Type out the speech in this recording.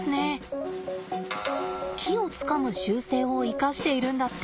木をつかむ習性を生かしているんだって。